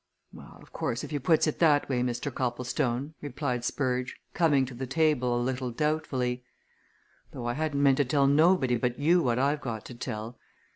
"Well, of course, if you puts it that way, Mr. Copplestone," replied Spurge, coming to the table a little doubtfully. "Though I hadn't meant to tell nobody but you what I've got to tell.